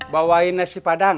bawain nasi padang